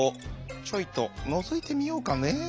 「ちょいとのぞいてみようかね？」。